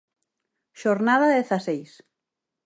Xornada dezaseis.